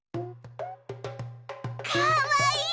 かわいい！